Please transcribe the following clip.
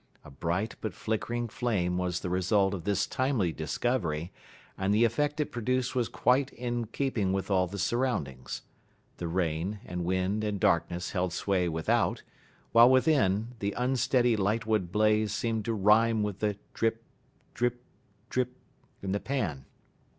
A bright but flickering flame was the result of this timely discovery, and the effect it produced was quite in keeping with all the surroundings. The rain, and wind, and darkness held sway without, while within, the unsteady lightwood blaze seemed to rhyme with the drip drip drip in the pan.